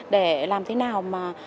để làm thế nào mà